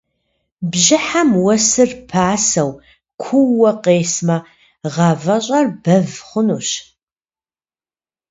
Бжьыхьэм уэсыр пасэу, куууэ къесмэ, гъавэщӏэр бэв хъунущ.